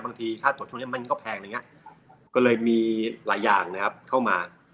บางทีค่าตกชั้นเนี้ยมันก็แพงนะเงี้ยก็เลยมีหลายอย่างนะครับเข้ามา